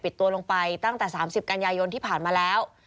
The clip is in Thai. ตัวลงไปตั้งแต่๓๐กันยายนที่ผ่านมาแล้ว